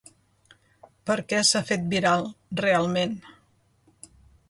Per què s’ha fet viral, realment.